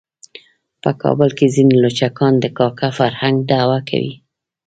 په کابل کې ځینې لچکان د کاکه فرهنګ دعوه کوي.